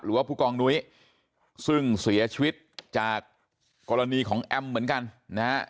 ผู้กองนุ้ยซึ่งเสียชีวิตจากกรณีของแอมเหมือนกันนะฮะ